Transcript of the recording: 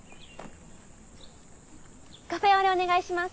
カフェオレお願いします。